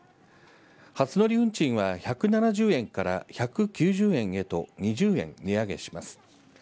初乗り運賃は１７０円から１９０円へと２０円値上げします。